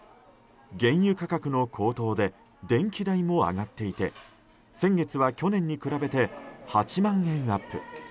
原油価格の高騰で電気代も上がっていて先月は去年に比べて８万円アップ。